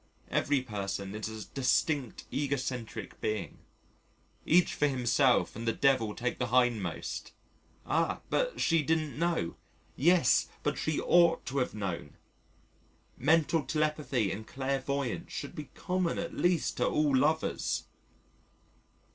Every person is a distinct egocentric being. Each for himself and the Devil take the hindmost. "Ah! but she didn't know." "Yes, but she ought to have known." Mental telepathy and clairvoyance should be common at least to all lovers.